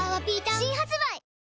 新発売